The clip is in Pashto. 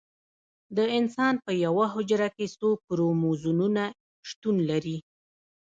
د انسان په یوه حجره کې څو کروموزومونه شتون لري